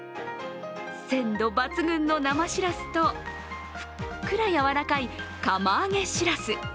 鮮度抜群の生しらすと、ふっくら柔らかい釜揚げしらす。